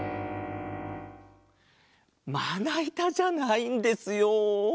まないたじゃないんですよ。